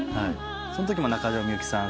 そのときも中島みゆきさん